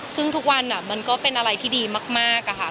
ซึ่งทุกวันมันก็เป็นอะไรที่ดีมากอะค่ะ